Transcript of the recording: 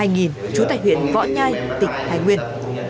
trú tại huyện võ nhai tỉnh hải nguyên